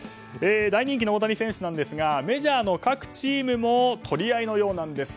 大人気の大谷選手ですがメジャーの各チームも取り合いのようなんです。